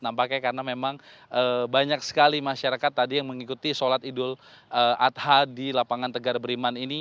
nampaknya karena memang banyak sekali masyarakat tadi yang mengikuti sholat idul adha di lapangan tegar beriman ini